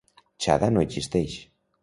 Chada no existeix.